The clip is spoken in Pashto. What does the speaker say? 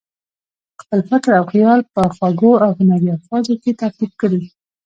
خپل فکر او خیال په خوږو او هنري الفاظو کې ترتیب کړي.